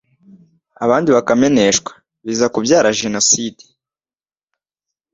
abandi bakameneshwa, biza kubyara Jenoside